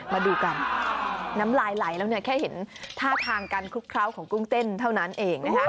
มาดูกันน้ำไหล่แล้วแค่เห็นท่าทางการคลุกเคราะห์ของกุ้งเต้นเท่านั้นเอง